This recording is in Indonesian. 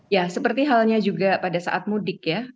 ya seperti halnya juga pada saat mudik ya